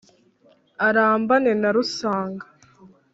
arambane na rusanga